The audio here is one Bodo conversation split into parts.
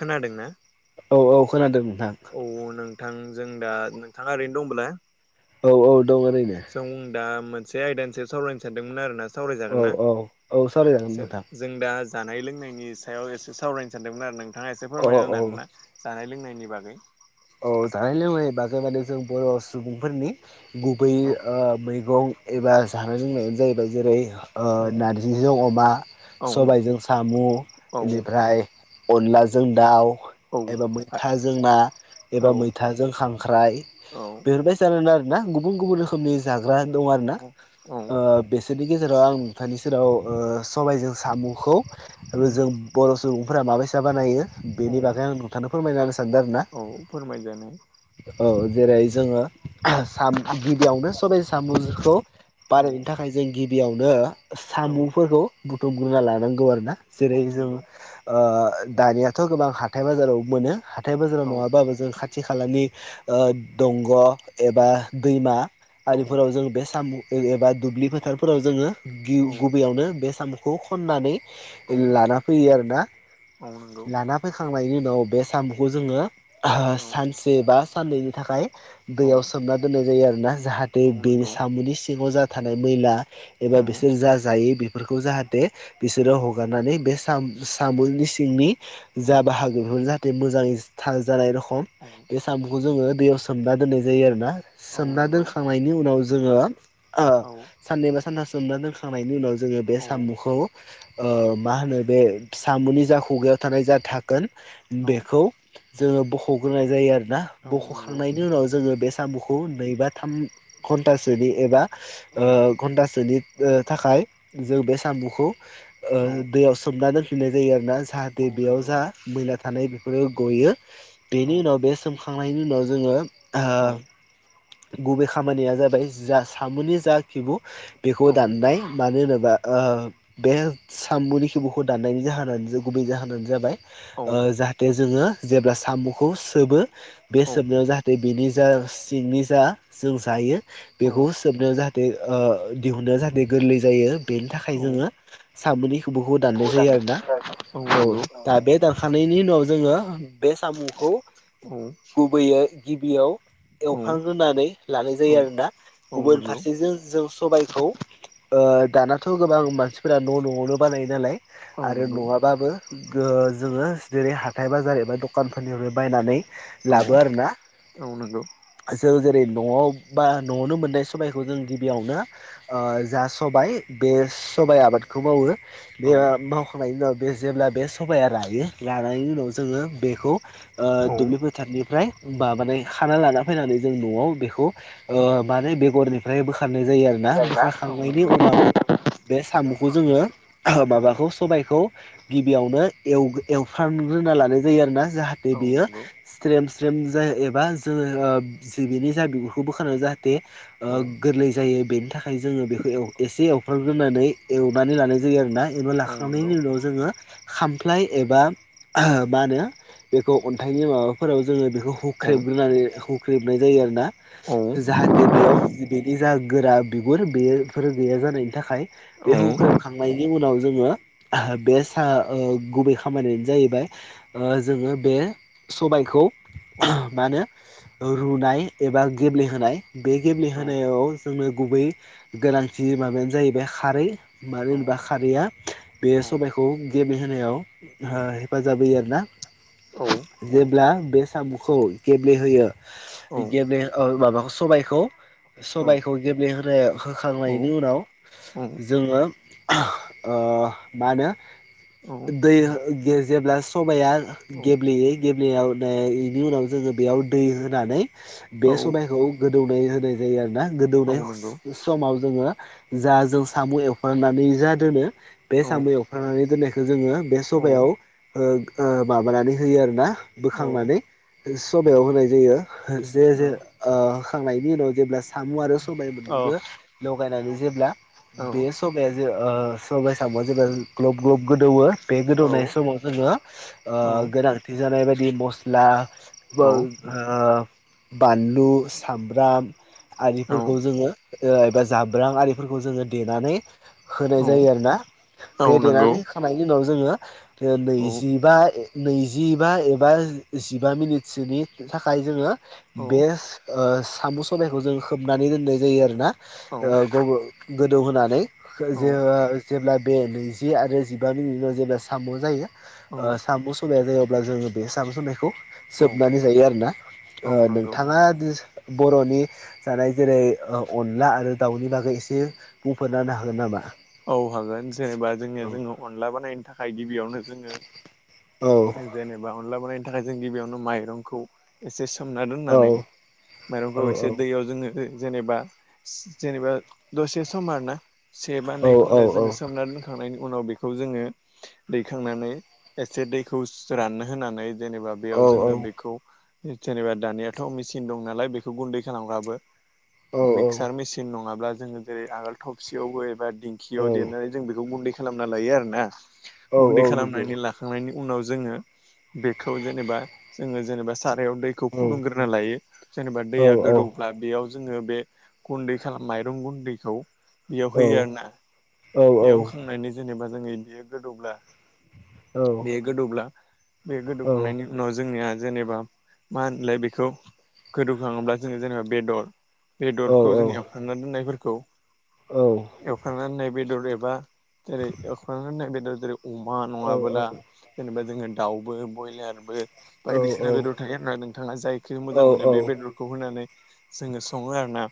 खोनादोंना? औ-औ खोनादोंमोन। औ नोंथां जों दा नोंथाङा ओरैनो दंब्ला। औ औ। दं ओरैनो जों दा मोनसे आयदानिसो सावरायनो सानदोंमोन आरो ना? औ सावरायजागोन ना? औ औ सावरायजागोन नोंथां जों दा जानाय-लोंनायनि सायाव एसे सावरायनो सानदोंमोन आरो नोंथाङा एसे औ फोरमायना होनोन आरोना जानाय लोंनायनि बागै। अ जानाय लोंनाय बागै माने जों बर' सुबुंफोरनि गुबै औ मैगं एबा जानाय लोंनायानो जाहैबाय जेरै। औ नारजिजों अमा औ सबायजों साम' औ बेनिफ्राय अनलाजों दाउ औ एबा मैथाजों ना। एबा मैथाजों खांख्राइ औ बेफोरबायदि जानानै आरो ना गुबुन गुबुन रोखोमनि जाग्रा दं आर ना औ आ बेसे बेनि गेजेराव आं नोंथानि सेराव सबायाइजों साम'खौ आरो जों बर' सुबुं फोरफोरा माबैसा बानायो औ बेनि बागै आं नोंथांनो फोरमायना होनानो सानदों आरोना। खाय जानाया औ जेरै जोंङो गिबियावनो सबाइ सामखौ। औ बानायायनो थाखाय जों गिबियावनो औ साम'फोरखौ बुथुमग्रोना लानांगौ आरो ना। औ जेरै जों नंगौ दानियाथ गोबां हाथाय बाजारावबो मोनो। हाथाय बाजाराव औ नङाबाबो जों खाथि खालानि दंग' एबा दैमा औ आरिफोराव जों बे साम एबा दुब्लि फोथारफोराव जोङो औ गुबैयावनो बे साम'खौ खननानै औ लाना फैयो आरोना औ नंगौ लाना फैखांनायनि उनाव बे साम'खौ जोङो औ सानसे बा साननैनि थाखाय औ दैयाव औ सोमना दोननाय जायो आरोना जाहाथे बे नंगौ साम'नि सिङाव जा थानाय मैला एबा बा औ बिसोर जा जायो फोरखौ जाहाथे औ बिसोरो हगारनानै बे सामनि सिंनि। औ जा बाहागो बेफोर जाहाथे मोजाङै जानाय रखम औ बे साम'खौ जोङो दैयाव सो सोमना दोननाय जायो आरोना। औ सोमना नंगौ दोनखांनायनि उनाव जोङो औ साननैबा सानथाम सोमना दोनखांनायनि उनाव जोंङो बे औ साम'खौ। मा होनो बे साम'नि जा खुगायाव थानाय जा थाखोन औ बेखौ जोङो बख'ग्रोनाय जायो आरोना। औ नंगौ बख'खांनायनि उनाव जोङो बे साम'खौ नै बा थाम घन्टासेनि एबा औ घन्टासेनि थाखाय जों बे सामखौ। औ दैयाव सोमना दोनफिननाय जायो आरोना। औ जाहाथे बेयाव नंगौ जा मैला थानाय गयो औ बेनि उनाव बे सोमखांनायनि उनाव जोङो औ गुबै खामानिया जाबाय जा सामनि जा खिबु बेखौ औ दाननाय मानो होनोब्ला। बा बे सामनि खिबुखौ दाननायनि जाहोनानो गुबै जाहोनानो जाबाय। औ जाहाथे जोंङो जेब्ला सामखौ सोबो बे औ सोबनायाव जाहाथे बेनि। जा सिंनि जा जों जायो बेखौ सोबनायाव जाहाथे। दिहुनो जाहाथे गोरलै जायो। बेनि थाखाय जोङो सामोनैखौबोखौ दाननाय जायो आरोना औ दा बे दानखानायनायनि उनाव जोङो बे साम'खौ गुबैयै गिबियाव। औ [unintelligible] होनानै लानाय जायो आरोना गुबुन नंगौ फारसेजों जों सबबायखौ दानाथ गोबां मानसिफोरा न- न आवनो बानायो नालाय औ आरो नंगौ नङाबाबो। जोङो जेरै हाथाय बाजार एबा दखानफोरनिफ्राय बायनानै औ लाबो आरोना औ नंगौ। जों जेरै न'आव बा न'आवनो मोननाय सबायखौ जों गिबियावनो जा सबाय बे सबाय आबादखौ मावो। बे औ औ नंगौ औ मावखांनायनि उनाव बे जेब्ला बे सबाया लायो लानायनि उनाव जोङो बेखौ दुब्लि फोथारनिफ्राय माबानानै खाना लाना फैनानै जों नआव बेखौ। माने बेगरनिफ्राय बोखारनाय जायो आरोना। बोखारखांनायनि नंगौ उनाव बे साम'खौ जोङो गिबियावनो एवफ्रांग्रोना लानाय जायो आरोना। जाहाथे बेयो स्रेम स्रेम फ्रेम जायो एबा जोङो जिे बेनि जा बिगुरखौ बोखनानै जाहाथे औ नंगौ औ नंगौ औ सदियों गोरलै जायो बेनि थाखाय जोङो बेखौ एसे एव बेग्रोनानै एवनानै लानाय जायो आरोना एवनानै लाखांनायनि औ उनाव जोङो खामफ्लाय एबा मा होनो बेखौ अन्थाइनि माबाफोराव जोङो बेखौ हुख्रेमग्रोनानै हुख्रेमनाय जायो आरो ना औ जाहाथे बेयाव बेनि जा। गोरा बिगुर बेफोर गैया जानायनि थाखाय बे हुख्रेबखांनायनि उनाव। जोङो बे गुबै खामानियानो जाहैबाय जोङो बे सबायखौ औ मा होनो। रुनाय एबा गेब्लेहोनाय बे औ गेब्लेहोनायाव जोंनो गुबै गोनांथि। माबायानो जाहैबाय खारै मानो होनोबा औ खारैआ बे सबायखौ गेब्ले होनायाव। हेफाजाब होयो आरोना जेब्ला बे साम'खौ गेब्लेहोयो बिदिनो माबाखौ सबायखौ। सबायाइखौ गेब्लेहो होखांनायनि उनाव औ जोङो ओ मा होनो औ औ दै जेब्ला सबाया औ गेब्लेयो बेनि उनाव जोङो बेयाव दै होनानै औ बे सबायखौ गोदौनाय होनाय जायो आरोना। औ गोदौनाय नंगौ समाव जोङो ज जों साम' एवफ्रनानै दोनो बे औ साम' एवफ्रानानै दोननायखौ जोङो बे औ सबायाव होयो आरोना औ बोखांनानै सबयाव होनाय जायो। जे जे औ होखांनायनि उनाव जेब्ला साम' आरो सबाय औ मोननैबो लगायनानै जेब्ला औ बे सबाया जे सबाइ सामआव जेब्ला ग्लब ग्लब गोदौवो। बे औ गोदौनाय समाव जोंङो गोनांथि जानाय बायदि मस्ला। बानलु सामब्राम औ आरिफोरखौ जोङो एबा जाब्रां आरिफोरखौ जोङो देनानै औ होनाय जायो आरोना औ बे नंगौ देनानै खांनायनि उनाव जोङो औ नैजिबा नैजिबा एबा जिबा मिनिटसोनि थाखाय जोङो औ बे साम' सबायाइखौ जों होबनानै दोननाय जायो आरोना गोदौहानै औ जे जेब्ला बे नैजि आरो जिबा मिनिटाव जेब्ला साम' जायो औ साम' सा जायोब्ला जोंङो बे साम' साइखौ जोबनानै जायो आरोना औ नंगौ नोंथाङा बर'नि जानाय जेरै अनला आरो दाउनि बागै एसे बुंफोरना होनो हागोन नामा औ हागोन जेनेबा जोंनिया जोङो अनला बानायनो थाखाय गिबियावनो जोङो औ जेनेबा अनला जों गिबियावनो माइरंखौ एसे सोमना औ दोननानै माइरंखौ एसे दैयाव जोङो जेनेबा जेनेबा दसे सम आरो ना से बा नै जोंङो सोमोमना दोनखांनायनि उनाव बेखौ जोंङो दैखांनानै एसे दैखौ राननो होनानै जेनेबा बेयाव जोङो बेखौ जेनेबा दानियाथ' मेचिन दं नालाय बेखौ गुन्दै खालामग्राबो मिक्सार मेसिन नङा हब्ला जोङो जेरै आगोल थबसियावबो एबा दिंखियाव देरनानै जों बेखौ गुन्दै खालामना लायो आरो ना गुन्दै खालामनानै लाखांनायनि उनाव जोङो बेखौ जेनेबा जोङो जेनेबा सारायाव दैखौ फुदुंग्रोना लायो जेनेबा दैया गोदौब्ला बेयाव जोङो बे गुन्दै खालाम माइरं गुन्दैखौ बेयाव होयो आरो ना बेयाव उखांनायनि जेनेबा जोंङो बेयो गोदौब्ला बेयो गोदौब्ला बे गोदौखांनायनि उनाव जोंनिया जेनेबा मा होनलाय बेखौ गोदौखाङोब्ला जोङो जेनेबा बेदर बेदरखौ जों एवफ्रांना दोननायफोरखौ एवफ्रांनानै नाय बेदर एबा जेरै एखांनाय बेदर जेरै अमा नङाबोला जेनेबा जोङो दाउबो बयलारबो बायदिसिना बेदर थायो होना नोंथाङा जायखौ मोजां औ मोनो बे बेदरखौ होनानै जोङो सङो आरोना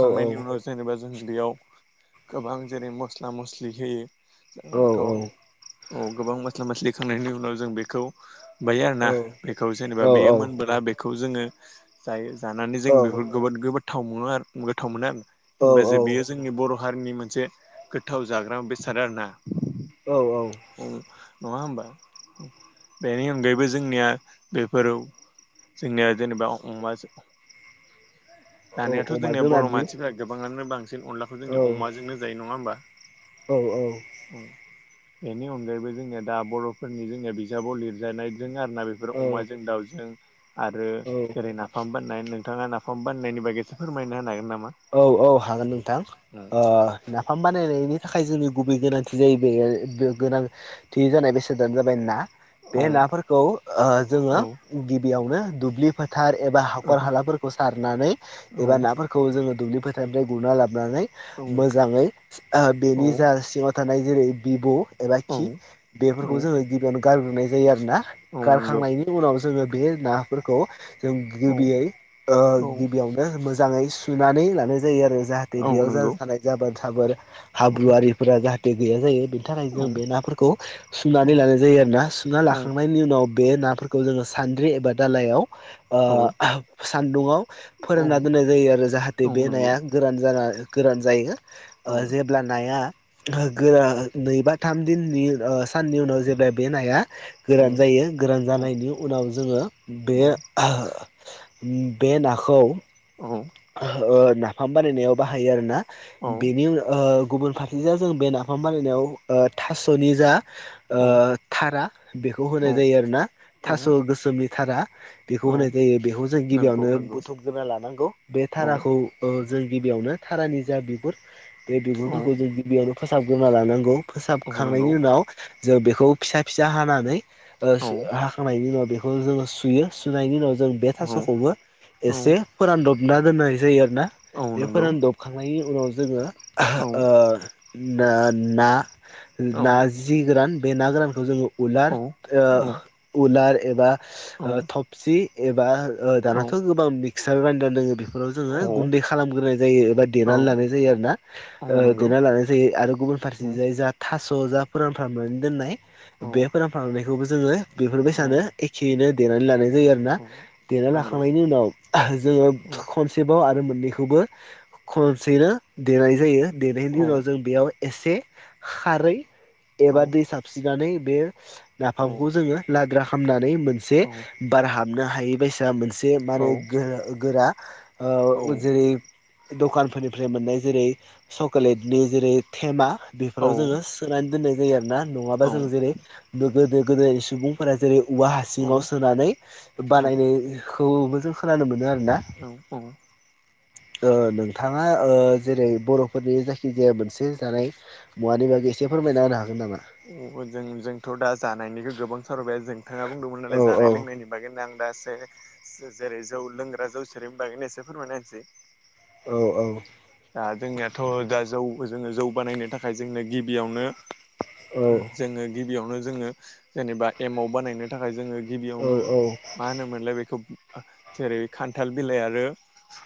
औ औ उनाव जेनेबा जों बेयाव गोबां जेरै मस्ला मस्लि होयो जोंथ' औ गोबां मस्ला मस्लि खांनायनि उनाव जों बेखौ बायो आरोना बेखौ जेनेबा बेयो मोनबोला बेखौ जोङो जायो जानानै जों बेफोर गोद गोबोदथाव मोनो आरो गोथाव मोनो आरोब ज बेयो जोंनि बर' हारिनि मोनसे मोनसे गोथाव जाग्रा बे सादारना औ औ नङा होमबा बेनि अनगायैबो जोंनिया बेफोराव जोंनिया जेनेबा दानिाथ' जोंनिया अमाजों बर' नारजि मानसिफ्रा गोबांङानो बांसिन अनलाखौ औ जोंनि अमाजोंनो जायो नङा होमबा औ औ बेनि अनगायैबो जोङो दा बर'फोरनि जोङो बिजाबाव लिरजानायजों आरो होना बेफोराव औ अमाजों दाउजों आरो औ जेरै नाफाम बाननाय नोंथाङा नाफाम बाननायनि बागैसो फोरमायनो होनो हागोन नामा औ औ हागोन नोंथां औ नाफाम बानायनायनि थाखाय जोंनि गुबै गोनांथि जायो बे गोनांथि जानाय बेसादानो जाबाय ना औ बे नाफोरखौ औ जोङो औ गिबियावनो दुब्लि फोथार एबा हाखर हालाफोरखौ सारनानै एबा नाफोरखौ जोङो दुब्लि फोथारनिफ्राय गुरना लाबोनानै औ मोजाङै बेनि जा सिङाव थानाय जेरै बिब' एबा औ खि औ बेफोरखौ जोङो गिबियावनो गारग्रोनाय जायो आरोना औ नंगौ गारखांनायनि उनाव [unintelligible] लानाय औ औ जायो आरो जाहाथे औ बेयाव जों नंगौ थानाय जाबोन साबोर औ हाब्रुआरिफोरा जाहाथे बे गैया जायो बेनि थाखाय औ जों बे नाफोरखौ सुनानै लानाय जायो आरो ना सुना औ लाखांनायनि उनाव बे नाफोरखौ जोङो सान्द्रि एबा दालायाव औ सान्दुङाव फोरोंना दोननाय जायो आरो जाहाथे औ बे नंगौ नाया गोरान जा गोरान जायो। औ जेब्ला नाया गोरा नै बा थाम दिननि साननि उनाव जेब्ला बे नाया औ गोरान जायो गोरान औ जानायनि उनाव जोङो, बे बे नाखौ नाफाम बानायनायाव बाहायो आरोना औ बेनि उनाव गुबुन फारसे जा जों बे नाफाम बारिनायाव अ थास'नि जा थारा बेखौ औ होनाय जायो आरोना थास' गोसोमनि थारा। बेखौ होनाय औ जायो बेखौ जों नंगौ गिबियावनो नंगौ बुथुमग्रोना लानांगौ बे औ थाराखौ जों गिबियावनो थारानि जा बिगुर बे औ बिगुरफोरखौ जों गिबियावनो फोसाबग्रोना लानांगौ। औ नंगौ फोसाबखांनायनि उनाव जों बेखौ फिसा फिसा हानानै ओ औ हाखांनायनि उनाव बेखौ बेखौ जोङो सुयो सुनायनि उनाव जों बे औ थास'खौबो औ एसे फोरानदबना दोननाय जायो आरो। औ बे नंगौ फोरानदबखांनायनि उनाव जोङो औ ना औ ना जि गोरान बे ना गोरानखौ जोङो औ उलार औ उलार एबा थफसि एबा औ दानाथ' गोबां मिक्सार [unintelligible] दङ जोङो औ गुन्दै खालामग्रोनाय जायो एबा औ देनानै लानाय जायो आरो ना औ नंगौ देनानै लानाय जायो आरो। गुबुन औ फारसे जाय जा थास' जा फोरानफ्रामनानै दोननाय बे औ फोरानफ्रामनायखौबो जोङो बेफोरबाय औ सानो एखेयैनो देनानै लानाय जायो आरोना औ देना नंगौ लाखांनायनि उनाव जोङो औ खनसेबाव आरो मोननै बेखौबो खनसेनो देनाय जायो देनायनि औ उनाव जों बेयाव एसे खारै औ एबा दै साबसिनानै बे नाफामखौ जोंङो लाद्रा खालामामनानै मोनसे बार हाबनो हायै बदि मोनसे औ माने गोरा औ जेरै दखानफोरनिफ्राय मोननाय जेरै सक'लेटनि जेरै थेमा बेफोराव औ जोङो सोनानै दोन्नाय जायो आरो ना नङाबा जों जेरै गोदो गोदो सुबुंफोरा जेरै औवा हासिङाव सोनानै बानायनायखौबो जों खोनानो मोनो आरो ना। [inaudible] नोंथाङा जेरै बर'फोरनि जायखिजाया मोनसे जानाय मुवानि बागै एसेफोर [unintelligible] अ जों जोंथ' दा जानायनिखौ गोबां सावबाय नोंथाङा बुंदोंमोन औ नालाय औ जानाय लोंनायनि बागै आं दासो जेरै जौ लोंग्रा जौ सेरिनि बागैनो एसे फोरमायना होनसै। औ औ दा जोंनियाथ' दा जौ जोङो जौ बानायनो थाखाय जोंनो गिबियावनो जोङो गिबियावनो जोङो जेनेबा एमाव बानायनो थाखाय जोङो गिबियावनो मा होनोमोनलाय बेखौ जेरै खान्थाल बिलाइ आरो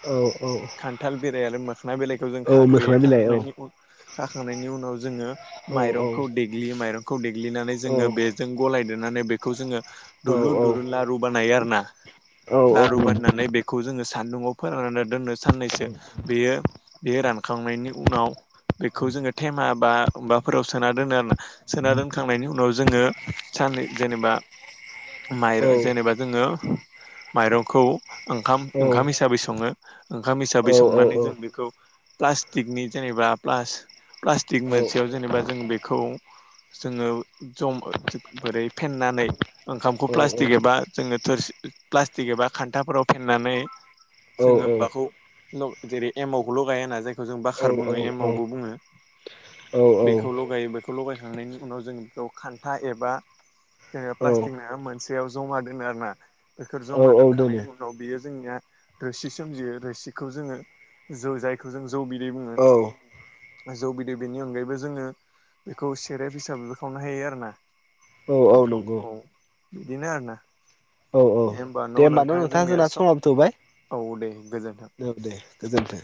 औ औ खान्थाल बिलाइ आरो मोखोना बिलाइखौ जों खाग्रोयो खाखांनायनि उनाव खाखांनायनि उनाव जोङो माइरं देग्लियो माइरंखौ देग्लिनानै जोङो बेजों गलायदेरनानै बेखौ जोङो दुलुर दुलुर लारू बानायो। लारु बानायनानै बेखौ जों सानदुंआव फोरनानै। साननैसो बेयो बे रानखांनायनि उनाव बेखौ जोङो टेमा बा माबाफोराव सोना दोनो आरोना सोना दोनखांनायनि उनाव जोङो साननै जेनेबा माइरं जेनेबा जोङो माइरंखौ ओंखाम ओंखाम हिसाबै सङो। ओंखाम हिसाबै संनानै जों बेखौ प्लास्टिकनि जेनेबा प्लास्टिक मोनसेयाव जेनेबा जों बेखौ जोंङो बोरै फेन्नानै ओंखामखौ प्लास्टिक एबा जोङो थोरसि प्लास्टिक एबा खान्थाफोराव फेन्नानै जोङो मबाखौ जेरै एमावखौ ल'गाय होना जायखौ जों बाखार औ बुङो एमावबो बुङो। बे खौ लगायो बेखौ लायखांनायनि उनाव जों बेखौ खान्था एबा ओ औ पलासटिक नोंङा मोन सेआव जमा दोनो आरोोना बेफोर औ जमा औ दोनो दोनखांनायनि उनाव बियो जोंनिया रोसि सोमजियो रोसिखौ जोङो जौ जायखौ जों जौ बिदै बुङो औ जौ बिदै बेनि अनगायैबो जोङो बेखौ सेरेप हिसाबैबो खावनो हायो आरो ना औ औ बेखौ नंगौ औ बिदिनो आरना औ औ दे होमबा ना नोंथां जोंनिया जोंना सब समाबो थौबाय औ दे गोजोन्थों औ दे गोजोन्थों।